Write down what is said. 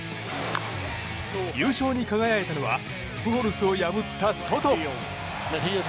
優勝に輝いたのはプホルスを破ったソト。